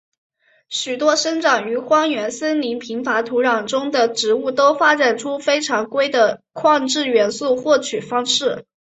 许多生长于荒原森林贫乏土壤中的植物都发展出了非常规的矿质元素获取方式。